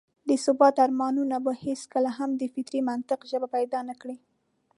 د ثبات ارمانونه به هېڅکله هم د فطري منطق ژبه پيدا نه کړي.